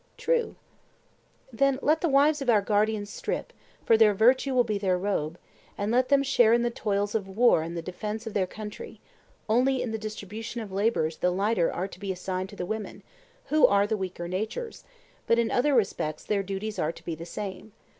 True. Then let the wives of our guardians strip, for their virtue will be their robe, and let them share in the toils of war and the defence of their country; only in the distribution of labours the lighter are to be assigned to the women, who are the weaker natures, but in other respects their duties are to be the same.